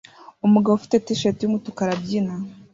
Umugabo ufite t-shirt yumutuku arabyina